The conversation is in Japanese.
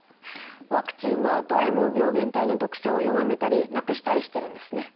ワクチンはどれも病原体の毒性を弱めたりなくしたりしてるんですね。